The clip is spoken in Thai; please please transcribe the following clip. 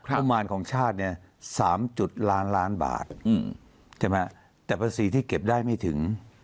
ประมาณของชาติเนี่ย๓จุดล้านล้านบาทใช่ไหมแต่ภาษีที่เก็บได้ไม่ถึง